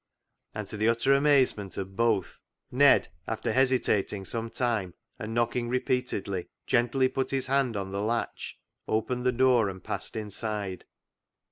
And, to the utter amazement of both, Ned, after hesitating some time and knocking repeatedly, gently put his hand on the latch, opened the door, and passed inside.